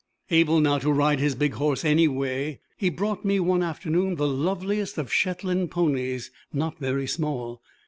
Able now to ride his big horse any way, he brought me one afternoon the loveliest of Shetland ponies, not very small.